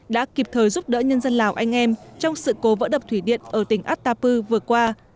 đã kịp thời giúp đỡ nhân dân lào anh em trong sự cố vỡ đập thủy điện ở tỉnh atapu vừa qua